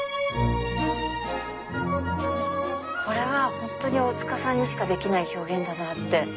これはホントに大塚さんにしかできない表現だなって。